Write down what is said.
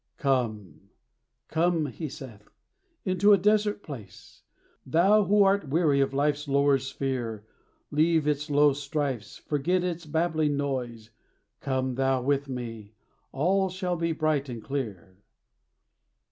"Come, come," he saith, "into a desert place, Thou who art weary of life's lower sphere; Leave its low strifes, forget its babbling noise; Come thou with me all shall be bright and clear.